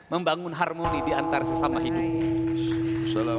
membangun harmoni diantara sesama hidup